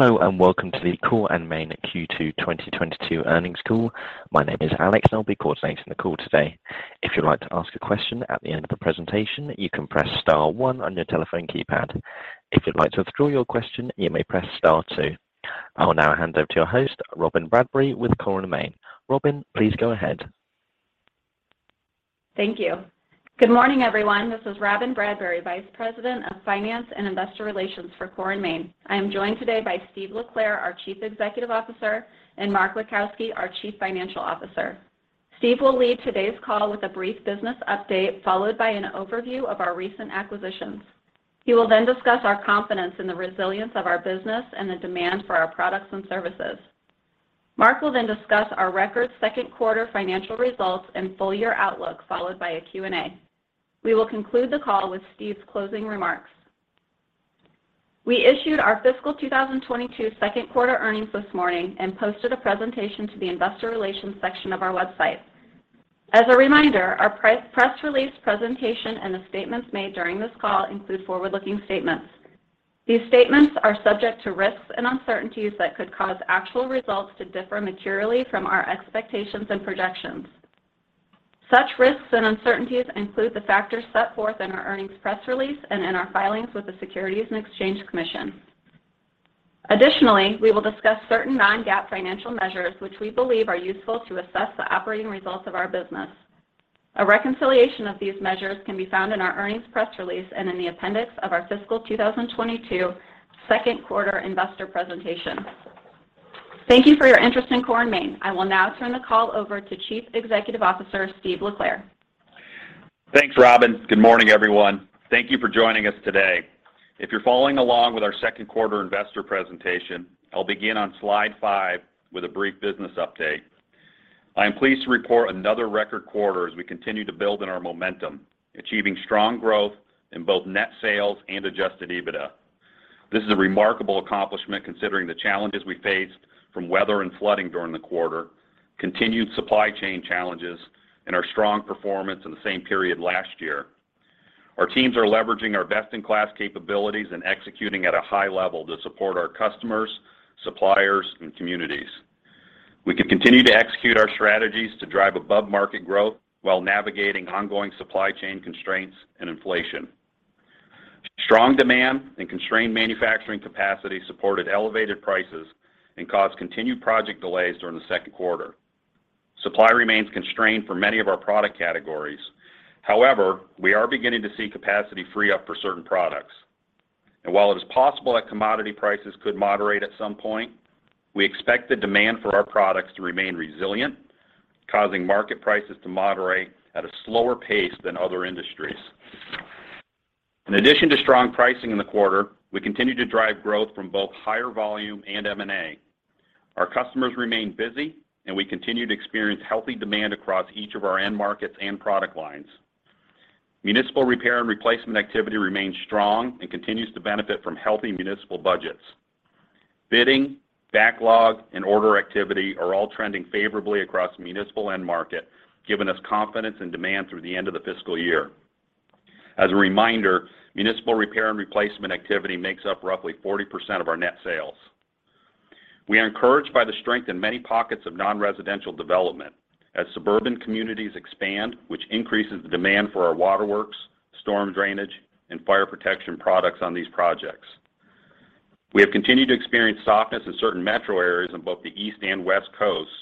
Hello, and welcome to the Core & Main Q2 2022 earnings call. My name is Alex, and I'll be coordinating the call today. If you'd like to ask a question at the end of the presentation, you can press star one on your telephone keypad. If you'd like to withdraw your question, you may press star two. I will now hand over to your host, Robyn Bradbury with Core & Main. Robyn, please go ahead. Thank you. Good morning, everyone. This is Robyn Bradbury, Vice President of Finance and Investor Relations for Core & Main. I am joined today by Steve LeClair, our Chief Executive Officer, and Mark Witkowski, our Chief Financial Officer. Steve will lead today's call with a brief business update, followed by an overview of our recent acquisitions. He will then discuss our confidence in the resilience of our business and the demand for our products and services. Mark will then discuss our record Q2 financial results and full year outlook, followed by a Q&A. We will conclude the call with Steve's closing remarks. We issued our fiscal 2022 Q2 earnings this morning and posted a presentation to the investor relations section of our website. As a reminder, our press release presentation and the statements made during this call include forward-looking statements. These statements are subject to risks and uncertainties that could cause actual results to differ materially from our expectations and projections. Such risks and uncertainties include the factors set forth in our earnings press release and in our filings with the Securities and Exchange Commission. Additionally, we will discuss certain non-GAAP financial measures which we believe are useful to assess the operating results of our business. A reconciliation of these measures can be found in our earnings press release and in the appendix of our fiscal 2022 Q2 investor presentation. Thank you for your interest in Core & Main. I will now turn the call over to Chief Executive Officer, Steve LeClair. Thanks, Robyn. Good morning, everyone. Thank you for joining us today. If you're following along with our Q2 investor presentation, I'll begin on slide 5 with a brief business update. I am pleased to report another record quarter as we continue to build in our momentum, achieving strong growth in both net sales and adjusted EBITDA. This is a remarkable accomplishment considering the challenges we faced from weather and flooding during the quarter, continued supply chain challenges, and our strong performance in the same period last year. Our teams are leveraging our best-in-class capabilities and executing at a high level to support our customers, suppliers, and communities. We can continue to execute our strategies to drive above-market growth while navigating ongoing supply chain constraints and inflation. Strong demand and constrained manufacturing capacity supported elevated prices and caused continued project delays during the Q2. Supply remains constrained for many of our product categories. However, we are beginning to see capacity free up for certain products. While it is possible that commodity prices could moderate at some point, we expect the demand for our products to remain resilient, causing market prices to moderate at a slower pace than other industries. In addition to strong pricing in the quarter, we continue to drive growth from both higher volume and M&A. Our customers remain busy, and we continue to experience healthy demand across each of our end markets and product lines. Municipal repair and replacement activity remains strong and continues to benefit from healthy municipal budgets. Bidding, backlog, and order activity are all trending favorably across the municipal end market, giving us confidence in demand through the end of the fiscal year. As a reminder, municipal repair and replacement activity makes up roughly 40% of our net sales. We are encouraged by the strength in many pockets of non-residential development as suburban communities expand, which increases the demand for our waterworks, storm drainage, and fire protection products on these projects. We have continued to experience softness in certain metro areas on both the East and West Coasts,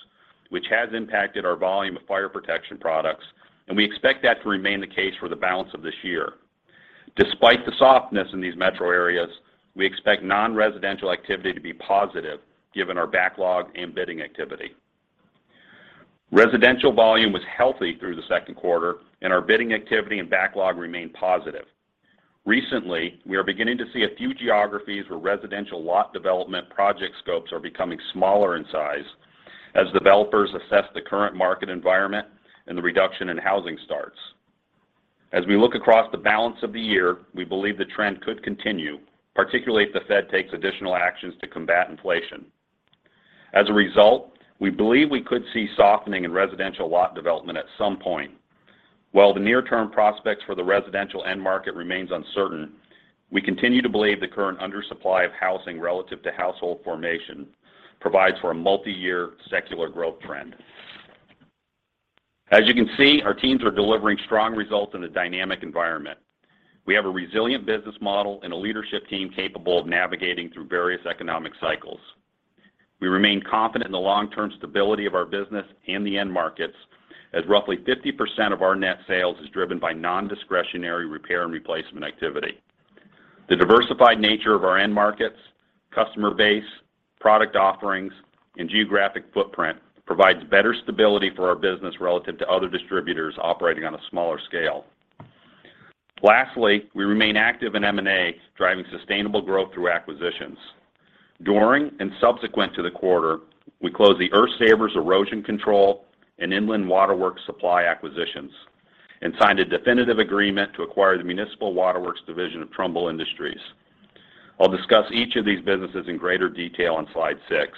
which has impacted our volume of fire protection products, and we expect that to remain the case for the balance of this year. Despite the softness in these metro areas, we expect non-residential activity to be positive given our backlog and bidding activity. Residential volume was healthy through the Q2, and our bidding activity and backlog remained positive. Recently, we are beginning to see a few geographies where residential lot development project scopes are becoming smaller in size as developers assess the current market environment and the reduction in housing starts. As we look across the balance of the year, we believe the trend could continue, particularly if the Fed takes additional actions to combat inflation. As a result, we believe we could see softening in residential lot development at some point. While the near-term prospects for the residential end market remains uncertain, we continue to believe the current undersupply of housing relative to household formation provides for a multiyear secular growth trend. As you can see, our teams are delivering strong results in a dynamic environment. We have a resilient business model and a leadership team capable of navigating through various economic cycles. We remain confident in the long-term stability of our business and the end markets as roughly 50% of our net sales is driven by non-discretionary repair and replacement activity. The diversified nature of our end markets, customer base, product offerings, and geographic footprint provides better stability for our business relative to other distributors operating on a smaller scale. Lastly, we remain active in M&A, driving sustainable growth through acquisitions. During and subsequent to the quarter, we closed the Earthsavers Erosion Control and Inland Water Works Supply acquisitions and signed a definitive agreement to acquire the Municipal Waterworks division of Trumbull Industries. I'll discuss each of these businesses in greater detail on slide six.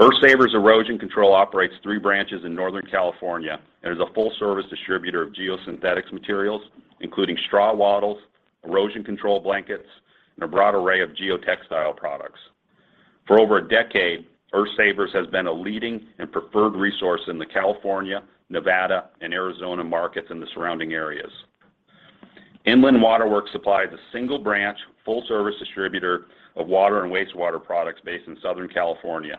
Earthsavers Erosion Control operates 3 branches in Northern California and is a full-service distributor of geosynthetics materials, including straw wattles, erosion control blankets, and a broad array of geotextile products. For over a decade, Earthsavers has been a leading and preferred resource in the California, Nevada, and Arizona markets and the surrounding areas. Inland Water Works Supply is a single-branch, full-service distributor of water and wastewater products based in Southern California.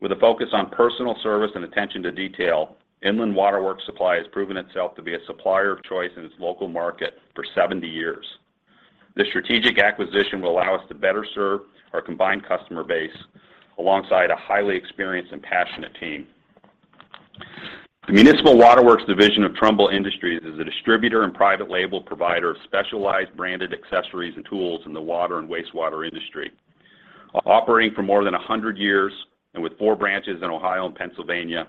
With a focus on personal service and attention to detail, Inland Water Works Supply has proven itself to be a supplier of choice in its local market for 70 years. This strategic acquisition will allow us to better serve our combined customer base alongside a highly experienced and passionate team. The Municipal Waterworks division of Trumbull Industries is a distributor and private label provider of specialized branded accessories and tools in the water and wastewater industry. Operating for more than 100 years and with 4 branches in Ohio and Pennsylvania,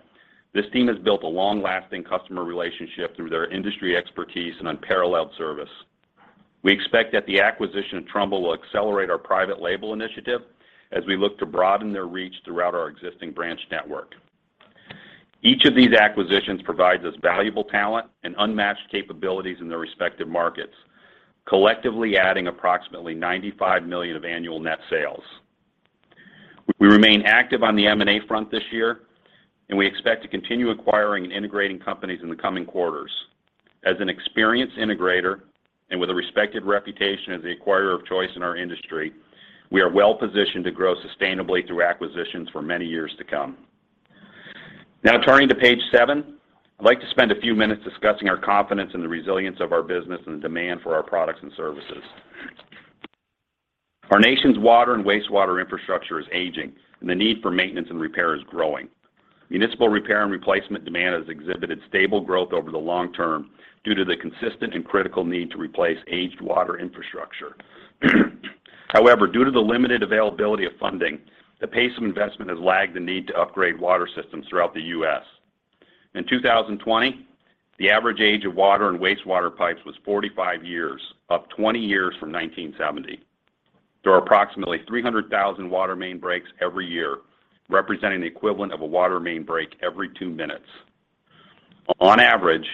this team has built a long-lasting customer relationship through their industry expertise and unparalleled service. We expect that the acquisition of Trumbull will accelerate our private label initiative as we look to broaden their reach throughout our existing branch network. Each of these acquisitions provides us valuable talent and unmatched capabilities in their respective markets, collectively adding approximately $95 million of annual net sales. We remain active on the M&A front this year, and we expect to continue acquiring and integrating companies in the coming quarters. As an experienced integrator and with a respected reputation as the acquirer of choice in our industry, we are well-positioned to grow sustainably through acquisitions for many years to come. Now turning to page 7, I'd like to spend a few minutes discussing our confidence in the resilience of our business and the demand for our products and services. Our nation's water and wastewater infrastructure is aging, and the need for maintenance and repair is growing. Municipal repair and replacement demand has exhibited stable growth over the long term due to the consistent and critical need to replace aged water infrastructure. However, due to the limited availability of funding, the pace of investment has lagged the need to upgrade water systems throughout the U.S. In 2020, the average age of water and wastewater pipes was 45 years, up 20 years from 1970. There are approximately 300,000 water main breaks every year, representing the equivalent of a water main break every two minutes. On average,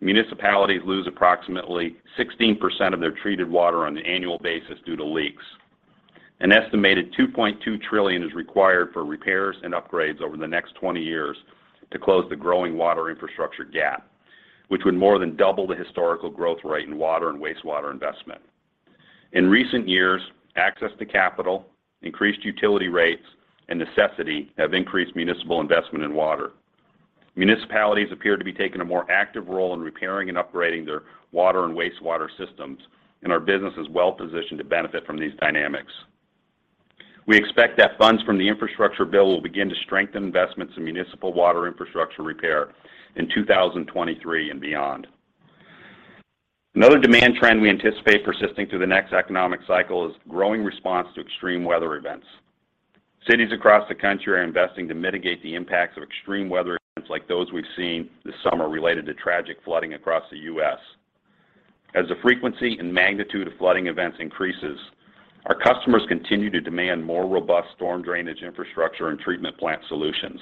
municipalities lose approximately 16% of their treated water on an annual basis due to leaks. An estimated $2.2 trillion is required for repairs and upgrades over the next 20 years to close the growing water infrastructure gap, which would more than double the historical growth rate in water and wastewater investment. In recent years, access to capital, increased utility rates, and necessity have increased municipal investment in water. Municipalities appear to be taking a more active role in repairing and upgrading their water and wastewater systems, and our business is well-positioned to benefit from these dynamics. We expect that funds from the infrastructure bill will begin to strengthen investments in municipal water infrastructure repair in 2023 and beyond. Another demand trend we anticipate persisting through the next economic cycle is growing response to extreme weather events. Cities across the country are investing to mitigate the impacts of extreme weather events like those we've seen this summer related to tragic flooding across the U.S. As the frequency and magnitude of flooding events increases, our customers continue to demand more robust storm drainage infrastructure and treatment plant solutions.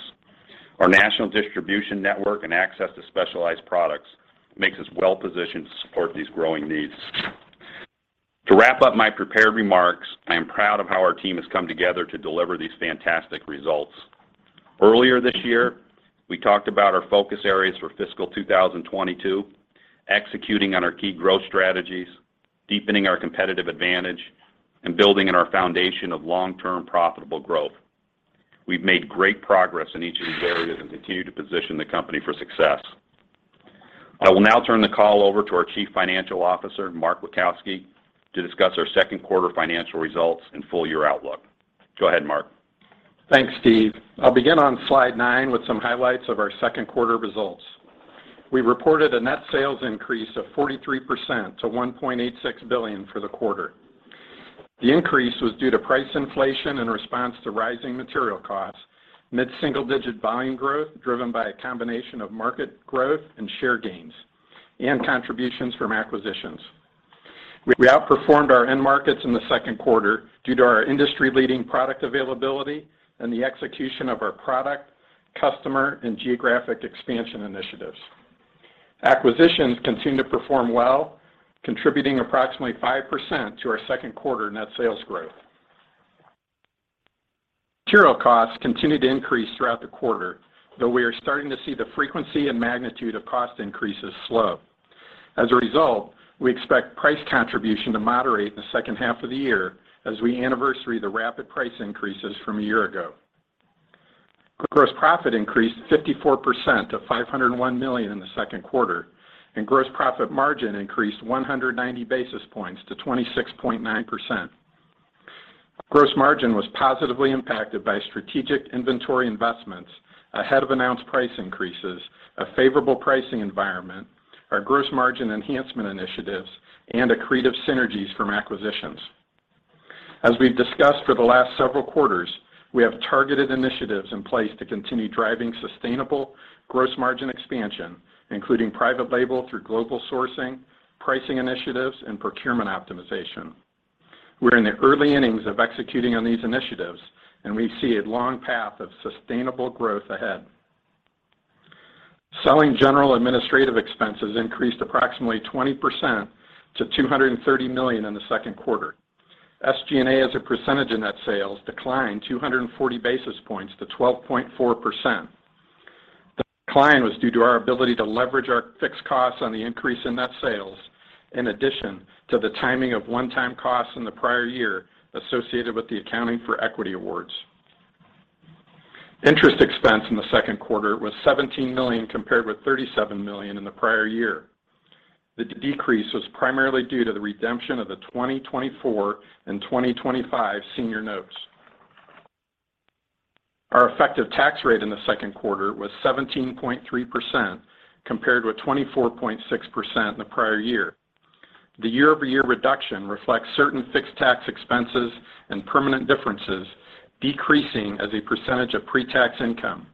Our national distribution network and access to specialized products makes us well-positioned to support these growing needs. To wrap up my prepared remarks, I am proud of how our team has come together to deliver these fantastic results. Earlier this year, we talked about our focus areas for fiscal 2022, executing on our key growth strategies, deepening our competitive advantage, and building on our foundation of long-term profitable growth. We've made great progress in each of these areas and continue to position the company for success. I will now turn the call over to our Chief Financial Officer, Mark Witkowski, to discuss our Q2 financial results and full year outlook. Go ahead, Mark. Thanks, Steve. I'll begin on slide 9 with some highlights of our Q2 results. We reported a net sales increase of 43% to $1.86 billion for the quarter. The increase was due to price inflation in response to rising material costs, mid-single-digit volume growth driven by a combination of market growth and share gains and contributions from acquisitions. We outperformed our end markets in the Q2 due to our industry-leading product availability and the execution of our product, customer, and geographic expansion initiatives. Acquisitions continue to perform well, contributing approximately 5% to our Q2 net sales growth. Material costs continued to increase throughout the quarter, though we are starting to see the frequency and magnitude of cost increases slow. As a result, we expect price contribution to moderate in the H 2 of the year as we anniversary the rapid price increases from a year ago. Gross profit increased 54% to $501 million in the Q2, and gross profit margin increased 190 basis points to 26.9%. Gross margin was positively impacted by strategic inventory investments ahead of announced price increases, a favorable pricing environment, our gross margin enhancement initiatives, and accretive synergies from acquisitions. As we've discussed for the last several quarters, we have targeted initiatives in place to continue driving sustainable gross margin expansion, including private label through global sourcing, pricing initiatives, and procurement optimization. We're in the early innings of executing on these initiatives, and we see a long path of sustainable growth ahead. Selling general administrative expenses increased approximately 20% to $230 million in the Q2. SG&A as a percentage of net sales declined 240 basis points to 12.4%. The decline was due to our ability to leverage our fixed costs on the increase in net sales, in addition to the timing of one-time costs in the prior year associated with the accounting for equity awards. Interest expense in the Q2 was $17 million compared with $37 million in the prior year. The decrease was primarily due to the redemption of the 2024 and 2025 senior notes. Our effective tax rate in the Q2 was 17.3% compared with 24.6% in the prior year. The year-over-year reduction reflects certain fixed tax expenses and permanent differences decreasing as a percentage of pre-tax income.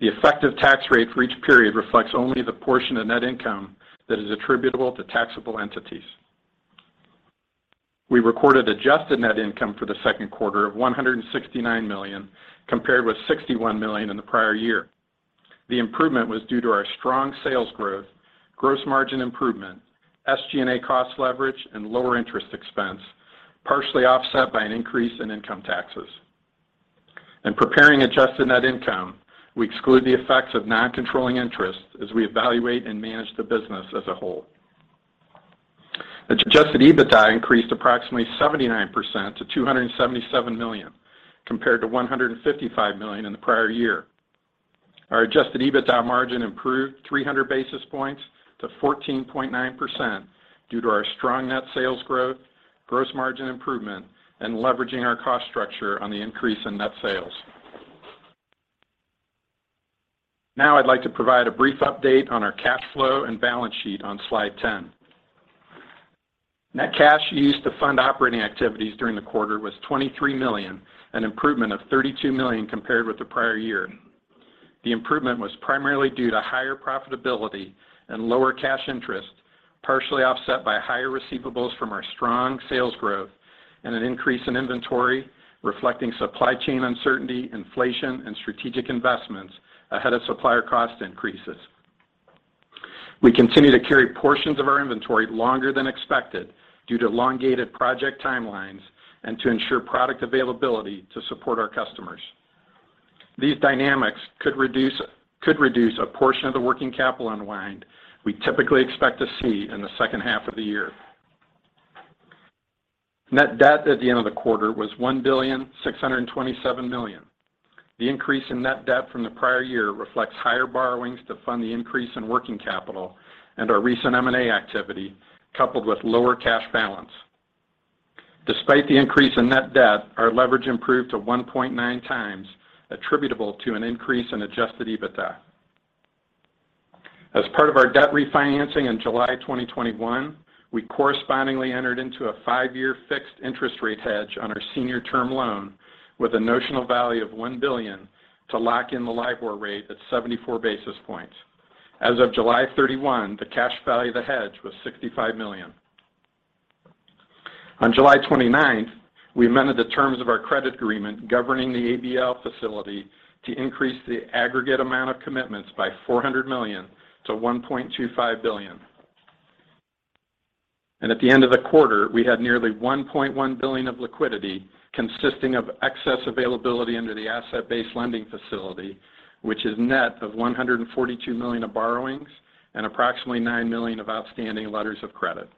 The effective tax rate for each period reflects only the portion of net income that is attributable to taxable entities. We recorded adjusted net income for the Q2 of $169 million, compared with $61 million in the prior year. The improvement was due to our strong sales growth, gross margin improvement, SG&A cost leverage, and lower interest expense, partially offset by an increase in income taxes. In preparing adjusted net income, we exclude the effects of non-controlling interest as we evaluate and manage the business as a whole. Adjusted EBITDA increased approximately 79% to $277 million, compared to $155 million in the prior year. Our adjusted EBITDA margin improved 300 basis points to 14.9% due to our strong net sales growth, gross margin improvement, and leveraging our cost structure on the increase in net sales. Now I'd like to provide a brief update on our cash flow and balance sheet on slide 10. Net cash used to fund operating activities during the quarter was $23 million, an improvement of $32 million compared with the prior year. The improvement was primarily due to higher profitability and lower cash interest, partially offset by higher receivables from our strong sales growth and an increase in inventory reflecting supply chain uncertainty, inflation, and strategic investments ahead of supplier cost increases. We continue to carry portions of our inventory longer than expected due to elongated project timelines and to ensure product availability to support our customers. These dynamics could reduce a portion of the working capital unwind we typically expect to see in the H 2 of the year. Net debt at the end of the quarter was $1,627 million. The increase in net debt from the prior year reflects higher borrowings to fund the increase in working capital and our recent M&A activity, coupled with lower cash balance. Despite the increase in net debt, our leverage improved to 1.9 times, attributable to an increase in adjusted EBITDA. As part of our debt refinancing in July 2021, we correspondingly entered into a five-year fixed interest rate hedge on our senior term loan with a notional value of $1 billion to lock in the LIBOR rate at 74 basis points. As of July 31, the cash value of the hedge was $65 million. On July 29, we amended the terms of our credit agreement governing the ABL facility to increase the aggregate amount of commitments by $400 million to $1.25 billion. At the end of the quarter, we had nearly $1.1 billion of liquidity consisting of excess availability under the asset-based lending facility, which is net of $142 million of borrowings and approximately $9 million of outstanding letters of credit.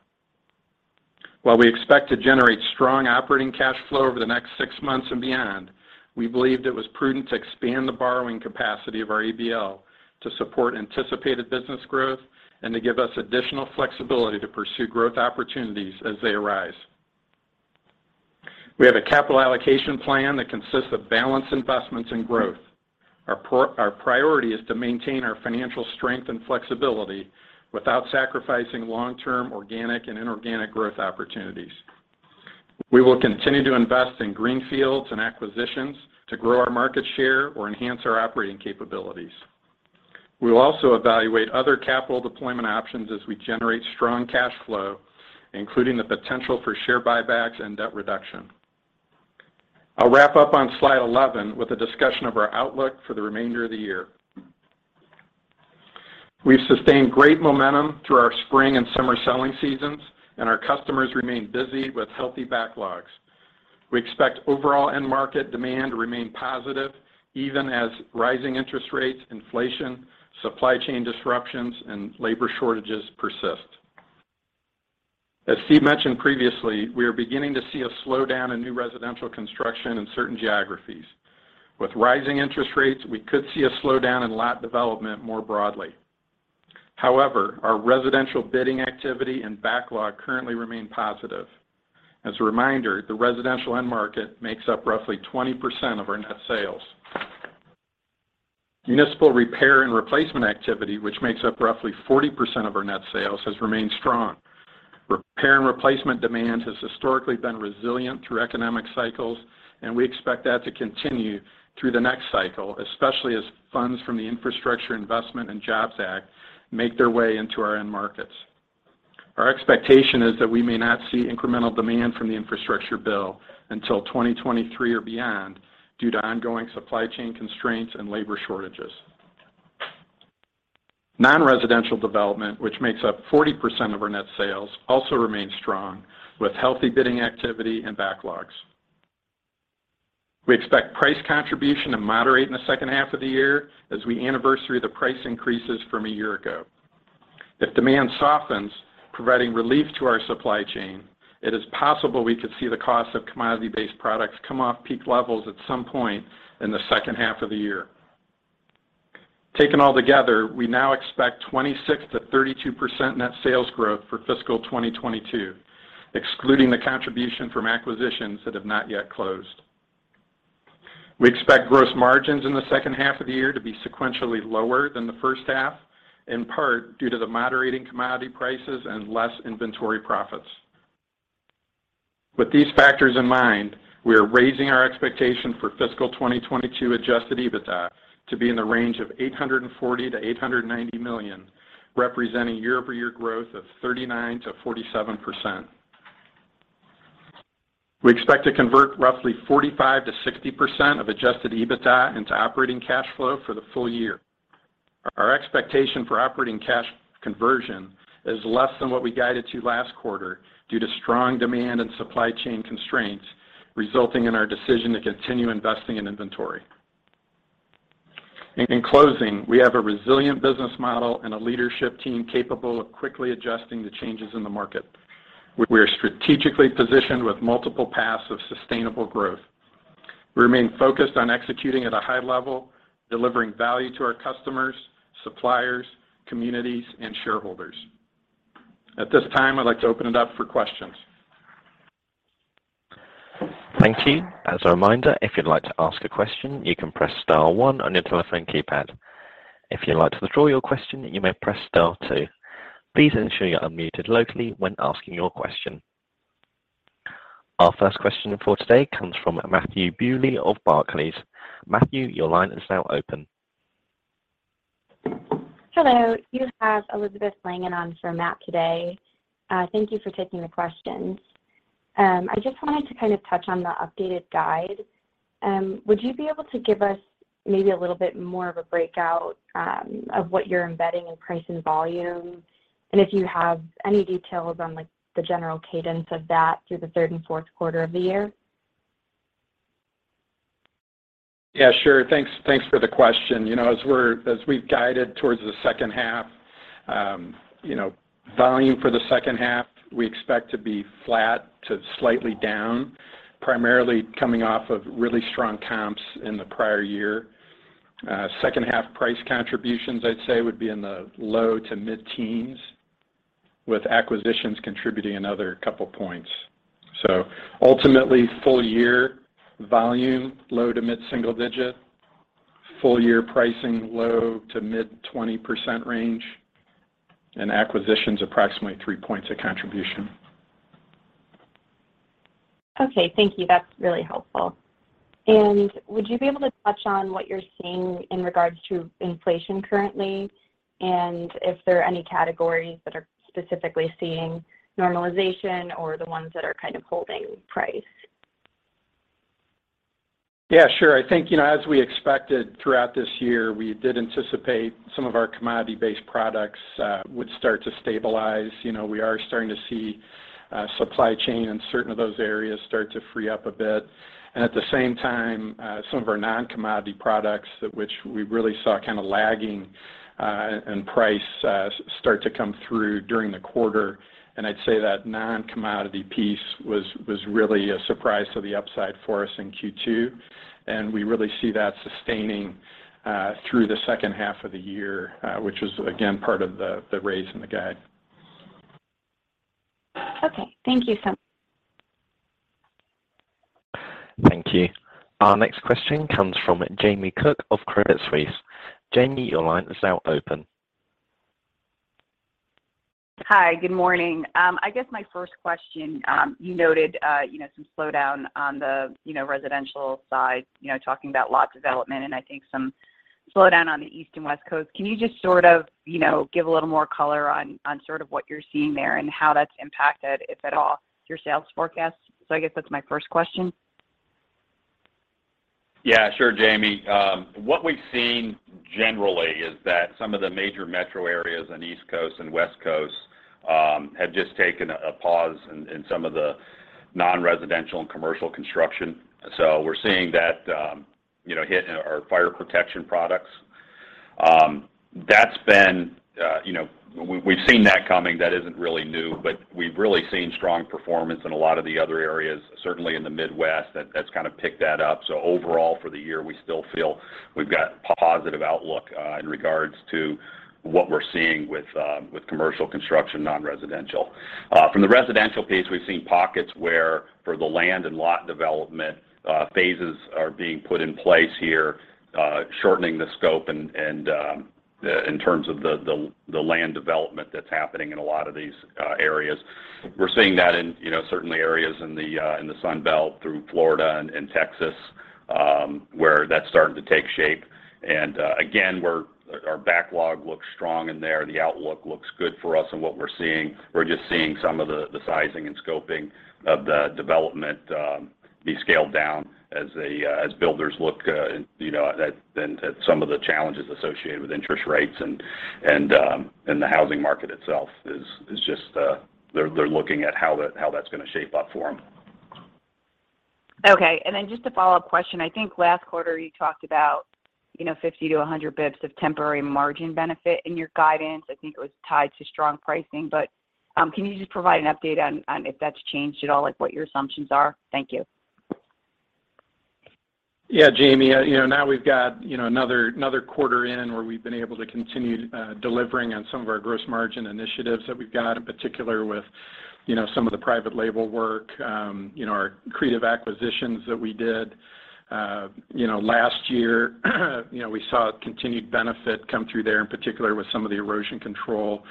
While we expect to generate strong operating cash flow over the next six months and beyond, we believed it was prudent to expand the borrowing capacity of our ABL to support anticipated business growth and to give us additional flexibility to pursue growth opportunities as they arise. We have a capital allocation plan that consists of balanced investments and growth. Our priority is to maintain our financial strength and flexibility without sacrificing long-term organic and inorganic growth opportunities. We will continue to invest in greenfields and acquisitions to grow our market share or enhance our operating capabilities. We will also evaluate other capital deployment options as we generate strong cash flow, including the potential for share buybacks and debt reduction. I'll wrap up on slide 11 with a discussion of our outlook for the remainder of the year. We've sustained great momentum through our spring and summer selling seasons, and our customers remain busy with healthy backlogs. We expect overall end market demand to remain positive, even as rising interest rates, inflation, supply chain disruptions, and labor shortages persist. As Steve mentioned previously, we are beginning to see a slowdown in new residential construction in certain geographies. With rising interest rates, we could see a slowdown in lot development more broadly. However, our residential bidding activity and backlog currently remain positive. As a reminder, the residential end market makes up roughly 20% of our net sales. Municipal repair and replacement activity, which makes up roughly 40% of our net sales, has remained strong. Repair and replacement demand has historically been resilient through economic cycles, and we expect that to continue through the next cycle, especially as funds from the Infrastructure Investment and Jobs Act make their way into our end markets. Our expectation is that we may not see incremental demand from the infrastructure bill until 2023 or beyond due to ongoing supply chain constraints and labor shortages. Non-residential development, which makes up 40% of our net sales, also remains strong with healthy bidding activity and backlogs. We expect price contribution to moderate in the H 2 of the year as we anniversary the price increases from a year ago. If demand softens, providing relief to our supply chain, it is possible we could see the cost of commodity-based products come off peak levels at some point in the H 2 of the year. Taken all together, we now expect 26%-32% net sales growth for fiscal 2022, excluding the contribution from acquisitions that have not yet closed. We expect gross margins in the H 2 of the year to be sequentially lower than the H 1, in part due to the moderating commodity prices and less inventory profits. With these factors in mind, we are raising our expectation for fiscal 2022 adjusted EBITDA to be in the range of $840 million-$890 million, representing year-over-year growth of 39%-47%. We expect to convert roughly 45%-60% of adjusted EBITDA into operating cash flow for the full year. Our expectation for operating cash conversion is less than what we guided to last quarter due to strong demand and supply chain constraints, resulting in our decision to continue investing in inventory. In closing, we have a resilient business model and a leadership team capable of quickly adjusting to changes in the market. We are strategically positioned with multiple paths of sustainable growth. We remain focused on executing at a high level, delivering value to our customers, suppliers, communities, and shareholders. At this time, I'd like to open it up for questions. Thank you. As a reminder, if you'd like to ask a question, you can press star one on your telephone keypad. If you'd like to withdraw your question, you may press star two. Please ensure you're unmuted locally when asking your question. Our first question for today comes from Matthew Bouley of Barclays. Matthew, your line is now open. Hello, you have Elizabeth Langan on for Matt today. Thank you for taking the questions. I just wanted to kind of touch on the updated guide. Would you be able to give us maybe a little bit more of a breakout of what you're embedding in price and volume, and if you have any details on, like, the general cadence of that through the third and Q4 of the year? Yeah, sure. Thanks for the question. You know, as we've guided towards the H 2 volume for the H 2 we expect to be flat to slightly down, primarily coming off of really strong comps in the prior year. H 2 price contributions I'd say would be in the low- to mid-teens%, with acquisitions contributing another couple points. Ultimately, full year volume, low- to mid-single-digit%. Full year pricing, low- to mid-20% range. Acquisitions, approximately 3 points of contribution. Okay. Thank you. That's really helpful. Would you be able to touch on what you're seeing in regards to inflation currently, and if there are any categories that are specifically seeing normalization or the ones that are kind of holding price? Yeah, sure. I think as we expected throughout this year, we did anticipate some of our commodity-based products would start to stabilize. You know, we are starting to see supply chain in certain of those areas start to free up a bit. At the same time, some of our non-commodity products which we really saw kind of lagging in price start to come through during the quarter. I'd say that non-commodity piece was really a surprise to the upside for us in Q2. We really see that sustaining through the H 2 of the year, which is again part of the raise in the guide. Okay. Thank you so much. Thank you. Our next question comes from Jamie Cook of Credit Suisse. Jamie, your line is now open. Hi. Good morning. I guess my first question, you noted some slowdown on the residential side talking about lot development and I think some slowdown on the East and West Coasts. Can you just sort of give a little more color on sort of what you're seeing there and how that's impacted, if at all, your sales forecast? I guess that's my first question. Yeah. Sure, Jamie. What we've seen generally is that some of the major metro areas on the East Coast and West Coast have just taken a pause in some of the non-residential and commercial construction. We're seeing that hit our fire protection products. That's been. We've seen that coming. That isn't really new. We've really seen strong performance in a lot of the other areas, certainly in the Midwest that's kind of picked that up. Overall for the year, we still feel we've got a positive outlook in regards to what we're seeing with commercial construction, non-residential. From the residential piece, we've seen pockets where for the land and lot development, phases are being put in place here, shortening the scope and in terms of the land development that's happening in a lot of these areas. We're seeing that in certainly areas in the Sun Belt through Florida and Texas, where that's starting to take shape. Again, our backlog looks strong in there. The outlook looks good for us in what we're seeing. We're just seeing some of the sizing and scoping of the development be scaled down as builders look at some of the challenges associated with interest rates and the housing market itself is just they're looking at how that, how that's gonna shape up for them. Okay. Just a follow-up question. I think last quarter you talked about 50-100 basis points of temporary margin benefit in your guidance. I think it was tied to strong pricing. Can you just provide an update on if that's changed at all, like what your assumptions are? Thank you. Yeah, Jamie. You know, now we've got another quarter in where we've been able to continue delivering on some of our gross margin initiatives that we've got, in particular with some of the private label work. You know, our creative acquisitions that we did last year we saw continued benefit come through there, in particular with some of the erosion control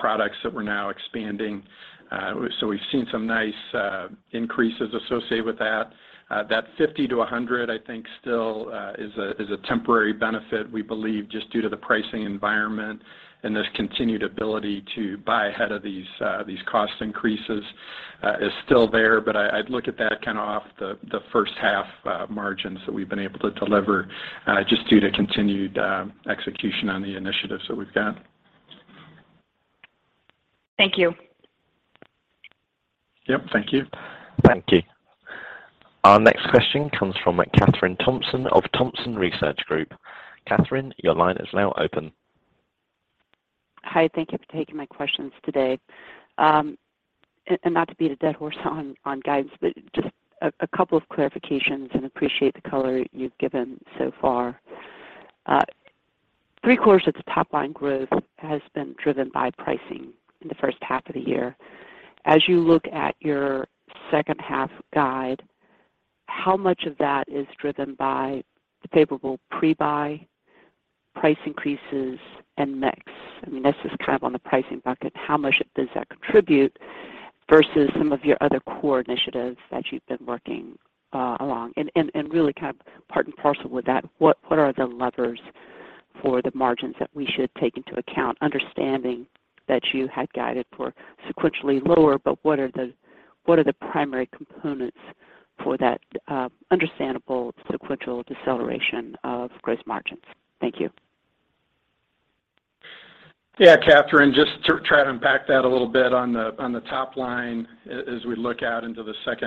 products that we're now expanding. So we've seen some nice increases associated with that. That 50-100 I think still is a temporary benefit, we believe, just due to the pricing environment and this continued ability to buy ahead of these cost increases is still there. I'd look at that kind of of the H 1 margins that we've been able to deliver just due to continued execution on the initiatives that we've got. Thank you. Yep. Thank you. Thank you. Our next question comes from Kathryn Thompson of Thompson Research Group. Kathryn, your line is now open. Hi. Thank you for taking my questions today. Not to beat a dead horse on guidance, but just a couple of clarifications and appreciate the color you've given so far. Three-quarters of the top line growth has been driven by pricing in the H 1 of the year. As you look at your H 2 guide, how much of that is driven by the favorable pre-buy price increases and mix? I mean, this is kind of on the pricing bucket. How much does that contribute versus some of your other core initiatives that you've been working along? really kind of part and parcel with that, what are the levers for the margins that we should take into account, understanding that you had guided for sequentially lower, but what are the primary components for that, understandable sequential deceleration of gross margins? Thank you. Yeah, Kathryn, just to try to unpack that a little bit on the top line as we look out into the H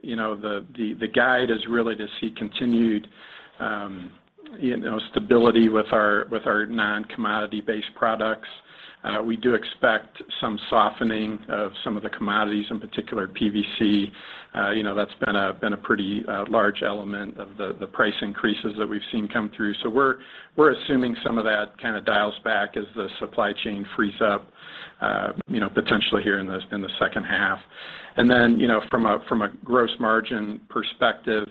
2. You know, the guide is really to see continued stability with our non-commodity based products. We do expect some softening of some of the commodities, in particular PVC. You know, that's been a pretty large element of the price increases that we've seen come through. We're assuming some of that kind of dials back as the supply chain frees up potentially here in the H 2. then from a gross margin perspective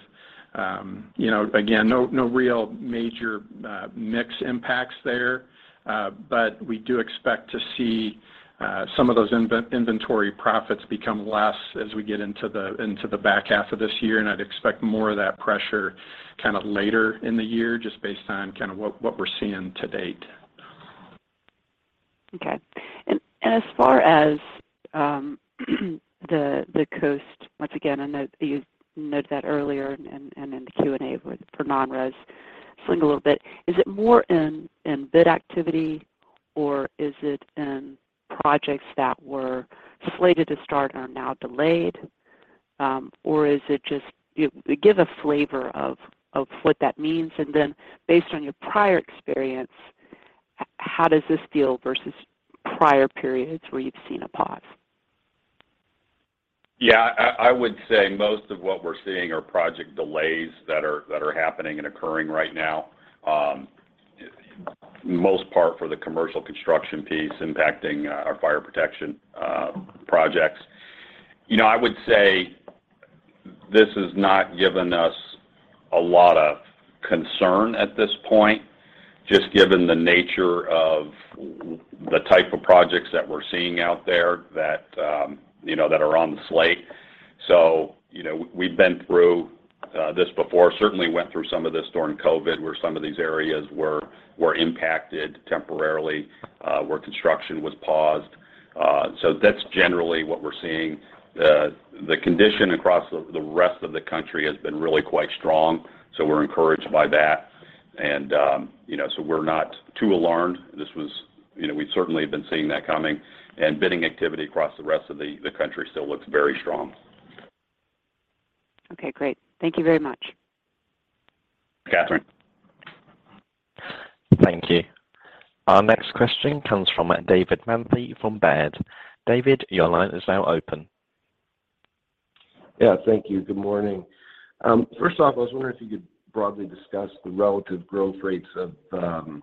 again, no real major mix impacts there. We do expect to see some of those inventory profits become less as we get into the back half of this year. I'd expect more of that pressure kind of later in the year just based on kind of what we're seeing to date. Okay. As far as the coast, once again, I know you noted that earlier and in the Q&A for non-res slowing a little bit. Is it more in bid activity or is it in projects that were slated to start and are now delayed? Is it just? Give a flavor of what that means. Based on your prior experience, how does this feel versus prior periods where you've seen a pause? Yeah. I would say most of what we're seeing are project delays that are happening and occurring right now. Most part for the commercial construction piece impacting our fire protection projects. You know, I would say this has not given us a lot of concern at this point, just given the nature of the type of projects that we're seeing out there that that are on the slate. You know, we've been through this before. Certainly went through some of this during COVID, where some of these areas were impacted temporarily, where construction was paused. That's generally what we're seeing. The condition across the rest of the country has been really quite strong, so we're encouraged by that. You know, we're not too alarmed. This was. You know, we certainly have been seeing that coming, and bidding activity across the rest of the country still looks very strong. Okay, great. Thank you very much. Katherine. Thank you. Our next question comes from David Manthey from Baird. David, your line is now open. Yeah. Thank you. Good morning. First off, I was wondering if you could broadly discuss the relative growth rates of the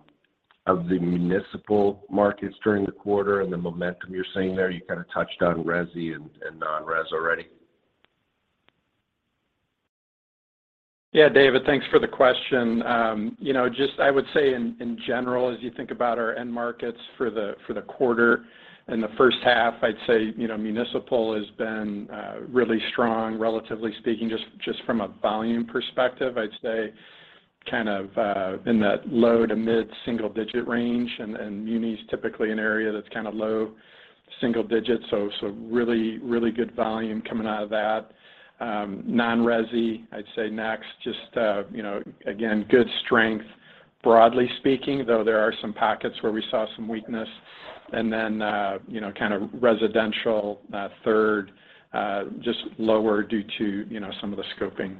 municipal markets during the quarter and the momentum you're seeing there. You kind of touched on resi and non-res already. Yeah, David, thanks for the question. You know, just I would say in general, as you think about our end markets for the quarter and the H 1, I'd say municipal has been really strong, relatively speaking, just from a volume perspective. I'd say kind of in that low to mid-single-digit range and muni is typically an area that's kind of low single digits. So really good volume coming out of that. Non-resi, I'd say next, just again, good strength, broadly speaking, though there are some pockets where we saw some weakness. then kind of residential, third, just lower due to some of the scoping.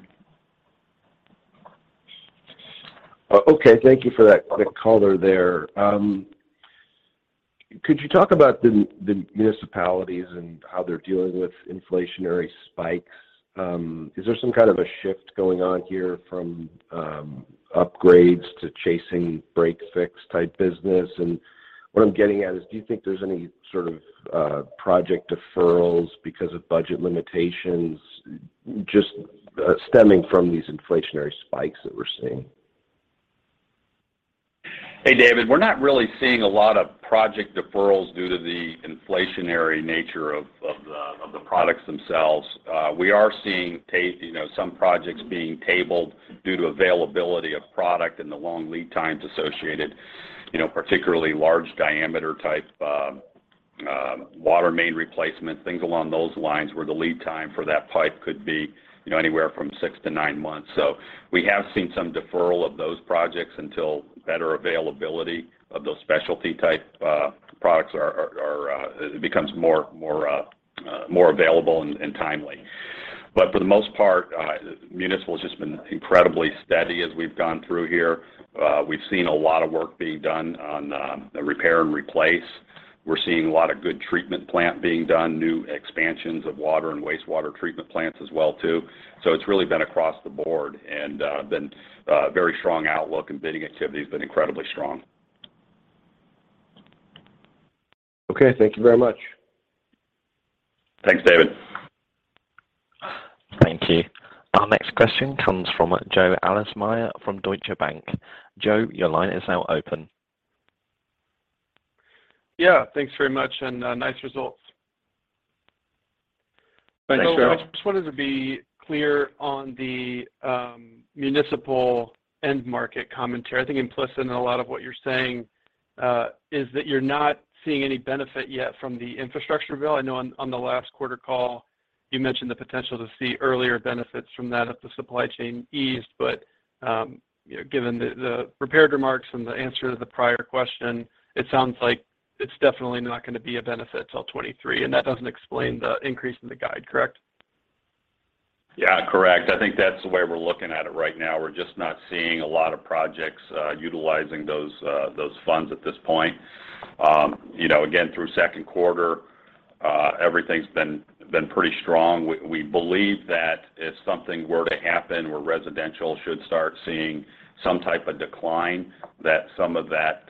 Okay. Thank you for that color there. Could you talk about the municipalities and how they're dealing with inflationary spikes? Is there some kind of a shift going on here from upgrades to chasing break fix type business? What I'm getting at is, do you think there's any sort of project deferrals because of budget limitations stemming from these inflationary spikes that we're seeing? Hey, David, we're not really seeing a lot of project deferrals due to the inflationary nature of the products themselves. We are seeing you know, some projects being tabled due to availability of product and the long lead times associated particularly large diameter type water main replacement, things along those lines, where the lead time for that pipe could be anywhere from six to nine months. We have seen some deferral of those projects until better availability of those specialty type products are it becomes more available and timely. For the most part, municipal has just been incredibly steady as we've gone through here. We've seen a lot of work being done on repair and replace. We're seeing a lot of good treatment plant being done, new expansions of water and wastewater treatment plants as well, too. It's really been across the board and a very strong outlook and bidding activity has been incredibly strong. Okay. Thank you very much. Thanks, David. Thank you. Our next question comes from Joe Ahlersmeyer from Deutsche Bank. Joe, your line is now open. Yeah. Thanks very much and, nice results. Thanks, Joe. I just wanted to be clear on the municipal end market commentary. I think implicit in a lot of what you're saying is that you're not seeing any benefit yet from the infrastructure bill. I know on the last quarter call, you mentioned the potential to see earlier benefits from that if the supply chain eased. You know, given the prepared remarks from the answer to the prior question, it sounds like it's definitely not gonna be a benefit till 2023. That doesn't explain the increase in the guide, correct? Yeah, correct. I think that's the way we're looking at it right now. We're just not seeing a lot of projects utilizing those funds at this point. You know, again, through Q2, everything's been pretty strong. We believe that if something were to happen where residential should start seeing some type of decline, that some of that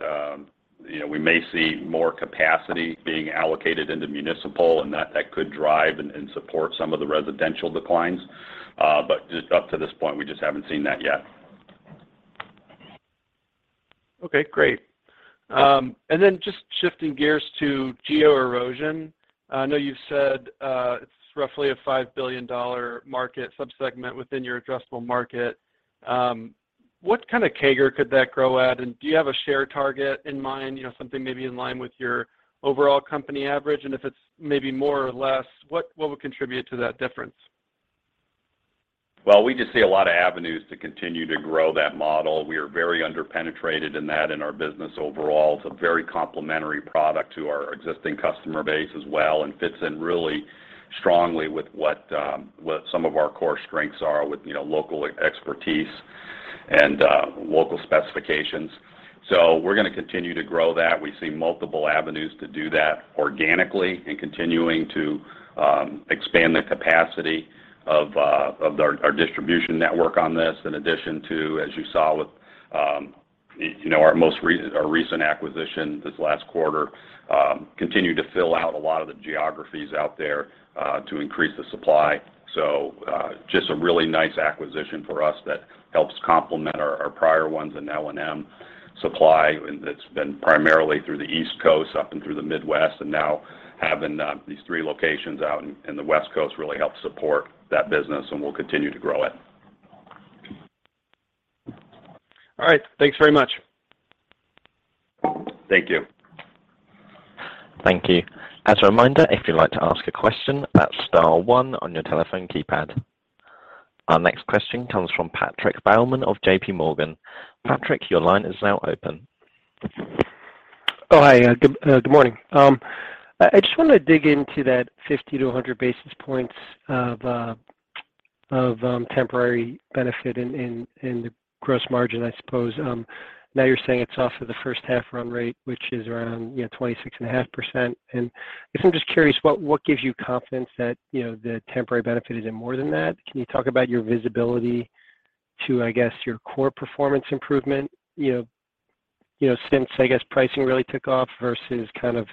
we may see more capacity being allocated into municipal and that could drive and support some of the residential declines. Just up to this point, we just haven't seen that yet. Okay, great. Just shifting gears to geo erosion. I know you've said it's roughly a $5 billion market subsegment within your addressable market. What kind of CAGR could that grow at? And do you have a share target in mind? You know, something maybe in line with your overall company average? And if it's maybe more or less, what would contribute to that difference? Well, we just see a lot of avenues to continue to grow that model. We are very underpenetrated in that in our business overall. It's a very complementary product to our existing customer base as well and fits in really strongly with what some of our core strengths are with local expertise and local specifications. We're gonna continue to grow that. We see multiple avenues to do that organically and continuing to expand the capacity of our distribution network on this. In addition to, as you saw with our recent acquisition this last quarter, continue to fill out a lot of the geographies out there to increase the supply. Just a really nice acquisition for us that helps complement our prior ones in L&M Supply. That's been primarily through the East Coast up and through the Midwest, and now having these three locations out in the West Coast really helps support that business, and we'll continue to grow it. All right. Thanks very much. Thank you. Thank you. As a reminder, if you'd like to ask a question, that's star one on your telephone keypad. Our next question comes from Patrick Baumann of J.P. Morgan. Patrick, your line is now open. Oh, hi. Yeah. Good morning. I just wanna dig into that 50-100 basis points of temporary benefit in the gross margin, I suppose. Now you're saying it's off of the H 1 run rate, which is around 26.5%. I guess I'm just curious, what gives you confidence that the temporary benefit isn't more than that? Can you talk about your visibility to, I guess, your core performance improvement? You know, since, I guess, pricing really took off versus kind of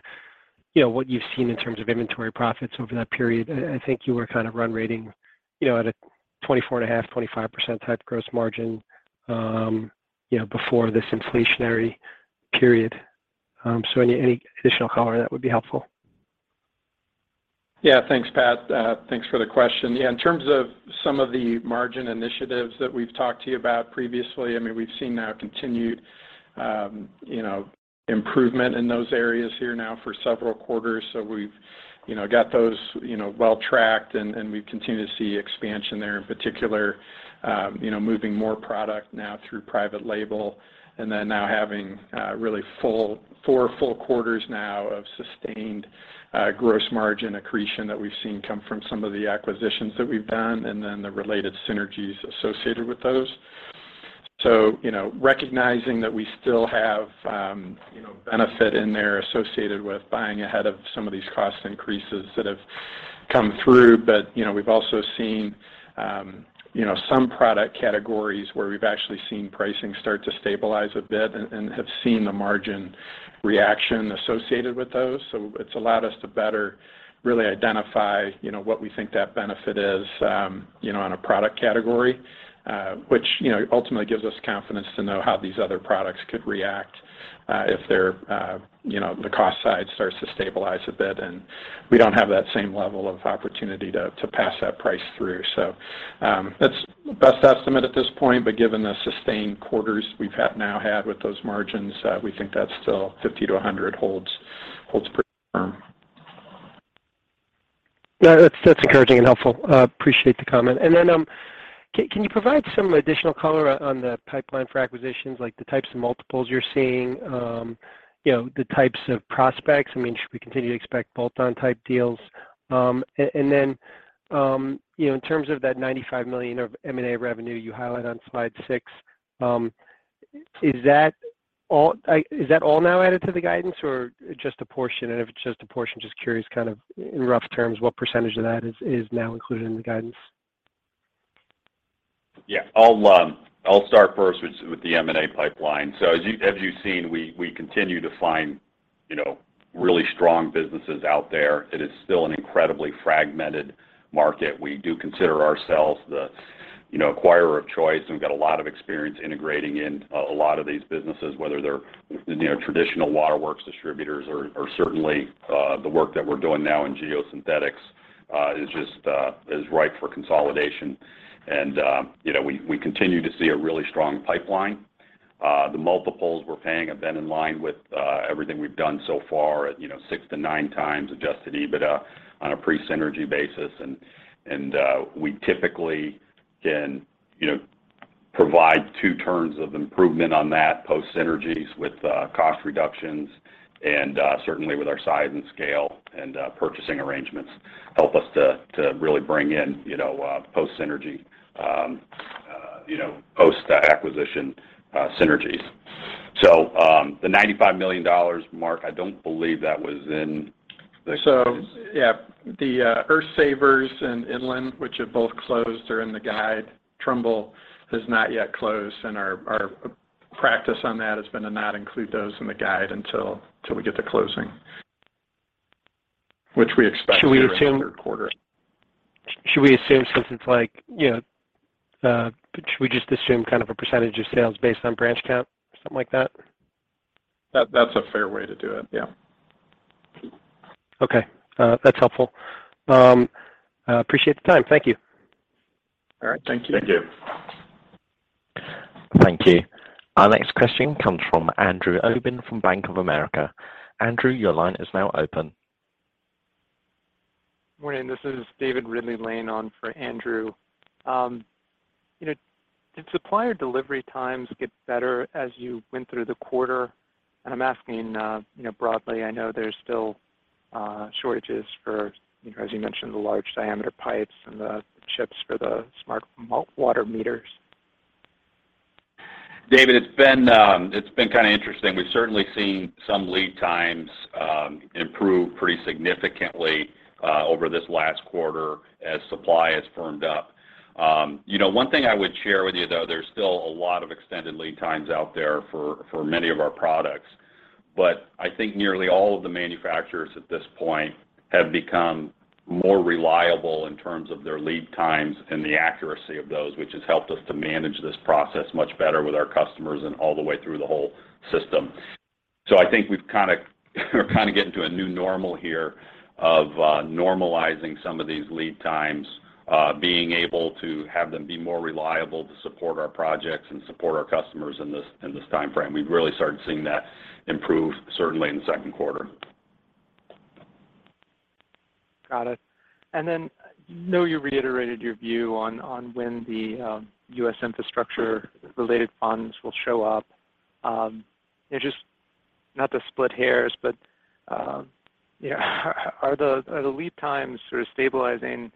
what you've seen in terms of inventory profits over that period. I think you were kind of run rating at a 24.5, 25% type gross margin before this inflationary period. Any additional color that would be helpful. Yeah. Thanks, Pat. Thanks for the question. Yeah, in terms of some of the margin initiatives that we've talked to you about previously, I mean, we've seen now a continued improvement in those areas here now for several quarters. So we've got those well-tracked, and we continue to see expansion there in particular moving more product now through private label and then now having four full quarters now of sustained, gross margin accretion that we've seen come from some of the acquisitions that we've done and then the related synergies associated with those. so recognizing that we still have benefit in there associated with buying ahead of some of these cost increases that have come through. you know, we've also seen you know, some product categories where we've actually seen pricing start to stabilize a bit and have seen the margin reaction associated with those. So it's allowed us to better really identify you know, what we think that benefit is you know, on a product category which you know, ultimately gives us confidence to know how these other products could react if they're you know, the cost side starts to stabilize a bit, and we don't have that same level of opportunity to pass that price through. So that's best estimate at this point, but given the sustained quarters we've now had with those margins, we think that's still 50 to 100 holds pretty firm. Yeah. That's encouraging and helpful. Appreciate the comment. Can you provide some additional color on the pipeline for acquisitions, like the types of multiples you're seeing the types of prospects? I mean, should we continue to expect bolt-on type deals? You know, in terms of that $95 million of M&A revenue you highlight on slide 6, is that all now added to the guidance or just a portion? If it's just a portion, just curious kind of in rough terms what percentage of that is now included in the guidance? Yeah. I'll start first with the M&A pipeline. As you've seen, we continue to find really strong businesses out there. It is still an incredibly fragmented market. We do consider ourselves the acquirer of choice, and we've got a lot of experience integrating a lot of these businesses, whether they're traditional waterworks distributors or certainly the work that we're doing now in geosynthetics is just ripe for consolidation. We continue to see a really strong pipeline. The multiples we're paying have been in line with everything we've done so far at 6x-9x adjusted EBITDA on a pre-synergy basis. We typically can provide two turns of improvement on that post synergies with cost reductions and certainly with our size and scale and purchasing arrangements help us to really bring in post synergy, post acquisition synergies. The $95 million mark, I don't believe that was in the- The Earthsavers and Inland, which have both closed, are in the guide. Trumbull has not yet closed, and our practice on that has been to not include those in the guide until we get to closing, which we expect during the Q3. Should we assume since it's like Should we just assume kind of a percentage of sales based on branch count or something like that? That, that's a fair way to do it. Yeah. Okay. That's helpful. Appreciate the time. Thank you. All right. Thank you. Thank you. Thank you. Our next question comes from Andrew Obin from Bank of America. Andrew, your line is now open. Morning. This is David Ridley-Lane standing in for Andrew. You know, did supplier delivery times get better as you went through the quarter? I'm asking broadly. I know there's still shortages for as you mentioned, the large diameter pipes and the chips for the smart water meters. David, it's been kind of interesting. We've certainly seen some lead times improve pretty significantly over this last quarter as supply has firmed up. You know, one thing I would share with you, though, there's still a lot of extended lead times out there for many of our products. I think nearly all of the manufacturers at this point have become more reliable in terms of their lead times and the accuracy of those, which has helped us to manage this process much better with our customers and all the way through the whole system. I think we're kinda getting to a new normal here of normalizing some of these lead times being able to have them be more reliable to support our projects and support our customers in this timeframe. We've really started seeing that improve certainly in the Q2. Got it. Then I know you reiterated your view on when the U.S. infrastructure related funds will show up. Just, not to split hairs, but you know, are the lead times sort of stabilizing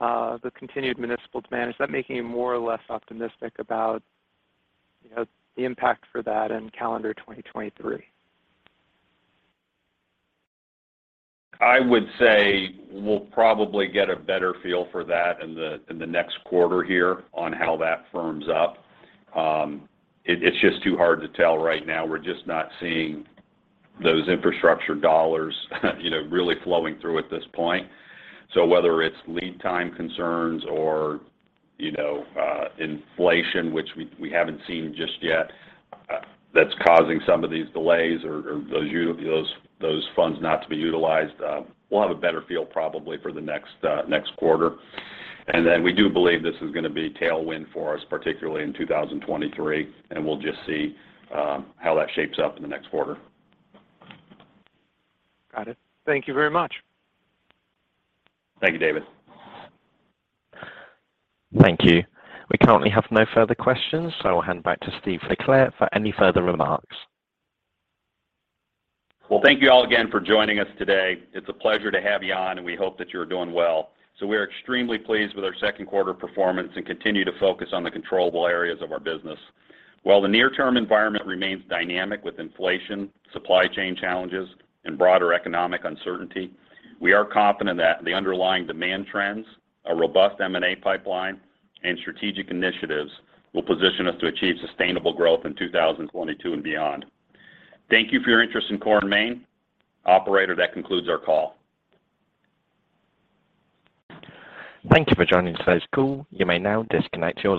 the continued municipal demand? Is that making you more or less optimistic about the impact for that in calendar 2023? I would say we'll probably get a better feel for that in the next quarter here on how that firms up. It's just too hard to tell right now. We're just not seeing those infrastructure dollars really flowing through at this point. So whether it's lead time concerns or inflation, which we haven't seen just yet, that's causing some of these delays or those funds not to be utilized, we'll have a better feel probably for the next quarter. We do believe this is gonna be tailwind for us, particularly in 2023, and we'll just see how that shapes up in the next quarter. Got it. Thank you very much. Thank you, David. Thank you. We currently have no further questions, so I'll hand back to Steve LeClair for any further remarks. Well, thank you all again for joining us today. It's a pleasure to have you on, and we hope that you're doing well. We're extremely pleased with our Q2 performance and continue to focus on the controllable areas of our business. While the near-term environment remains dynamic with inflation, supply chain challenges, and broader economic uncertainty, we are confident that the underlying demand trends, a robust M&A pipeline, and strategic initiatives will position us to achieve sustainable growth in 2022 and beyond. Thank you for your interest in Core & Main. Operator, that concludes our call. Thank you for joining today's call. You may now disconnect your lines.